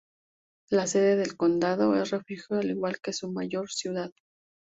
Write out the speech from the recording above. La sede del condado es Refugio, al igual que su mayor ciudad.